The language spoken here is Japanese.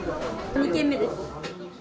２軒目です。